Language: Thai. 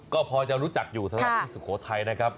ก็พอจะรู้จักที่สุโขไทยครับ